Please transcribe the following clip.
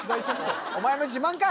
お前の自慢かい！